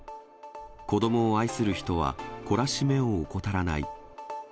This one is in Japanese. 子どもを愛する人は懲らしめを怠らない。